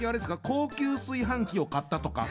高級炊飯器を買ったとか。